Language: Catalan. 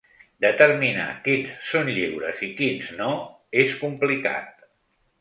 Determinar quins són lliures i quins no és complicat.